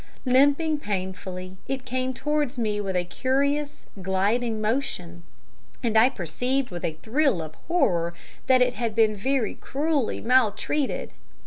Limping painfully, it came towards me with a curious, gliding motion, and I perceived with a thrill of horror that it had been very cruelly maltreated.